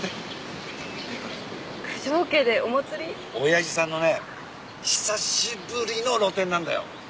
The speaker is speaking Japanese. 親父さんのね久しぶりの露店なんだよ。